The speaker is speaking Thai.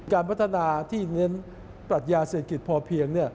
การพัฒนาที่เน้นปรัชญาเศรษฐกิจพอเพียง